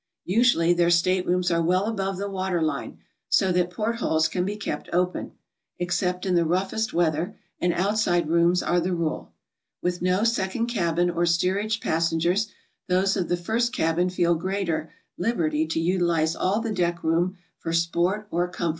Usually their staterooms are well above the water line, so that port holes can be kept open, except in the rough est weather, and outside rooms are the rule. With no second cabin or steerage passengers, those of the first cabin feel greater liberty to utilize all the deck room for sport or com 38 GOING ABROAD?